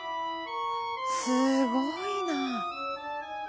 すごいな。